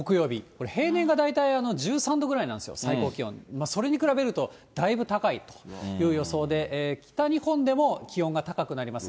これ、平年が大体１３度ぐらいなんですよ、最高気温、それに比べると、だいぶ高いという予想で、北日本でも気温が高くなります。